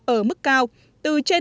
ở mức cao từ trên năm mươi